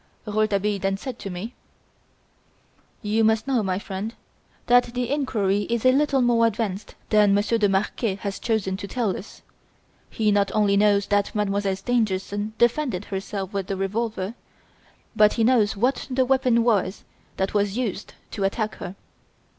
Rouletabille then said to me: "You must know, my friend, that the inquiry is a little more advanced than Monsieur de Marquet has chosen to tell us. He not only knows that Mademoiselle Stangerson defended herself with the revolver, but he knows what the weapon was that was used to attack her.